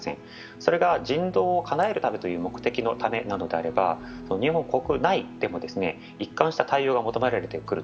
それが人道をかなえるためいという目的のためであれば、日本国内でも一貫した対応が求められてくる。